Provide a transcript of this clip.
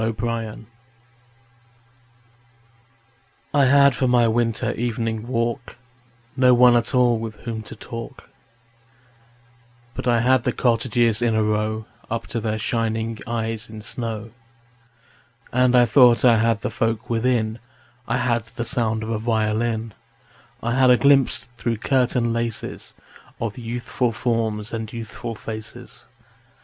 Good Hours I HAD for my winter evening walk No one at all with whom to talk, But I had the cottages in a row Up to their shining eyes in snow. And I thought I had the folk within: I had the sound of a violin; I had a glimpse through curtain laces Of youthful forms and youthful faces.